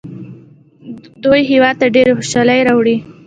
دوی هیواد ته ډېرې خوشحالۍ راوړي.